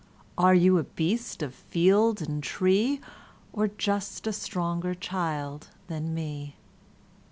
Are you a beast of field and tree, Or just a stronger child than me?